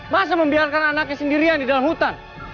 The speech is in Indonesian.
masa membiarkan anaknya sendirian di dalam hutan